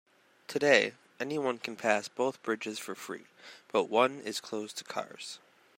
Today, anyone can pass both bridges for free, but one is closed to cars.